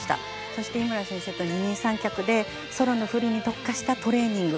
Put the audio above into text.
そして井村コーチと二人三脚でソロのフリーに特化したトレーニング。